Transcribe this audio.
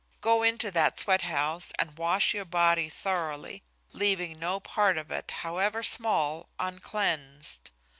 Go into that sweat house and wash your body thoroughly, leaving no part of it, however small, uncleansed.